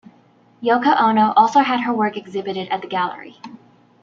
Yoko Ono also had her work exhibited at the gallery.